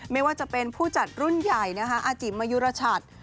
ไม่ว่าจะเป็นผู้จัดรุ่นใหญ่นะคะอาจิมมยุรชัด